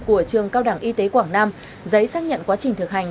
của trường cao đẳng y tế quảng nam giấy xác nhận quá trình thực hành